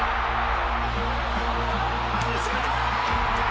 シュート！